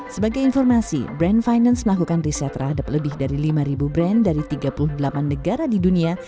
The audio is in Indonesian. sebagai informasi brand finance melakukan riset terhadap lebih dari lima brand dari tiga puluh delapan negara di dunia